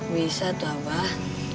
bisa tuh abah